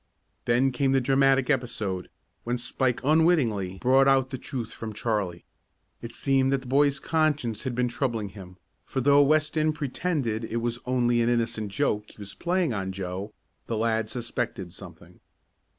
Then came the dramatic episode, when Spike unwittingly brought out the truth from Charlie. It seems that the boy's conscience had been troubling him, for though Weston pretended it was only an innocent joke he was playing on Joe, the lad suspected something.